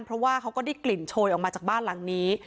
เพราะว่าเขาก็ได้กลิ่นโชยออกมาจากบ้านหลังนี้